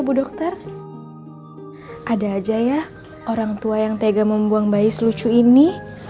bukanku orang yang buang bayi selucu ini